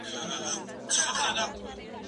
زه پرون مڼې وخوړلې؟!